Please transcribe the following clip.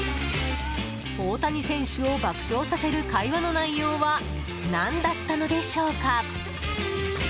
大谷選手を爆笑させる会話の内容は何だったのでしょうか。